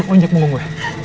onjek bunga gue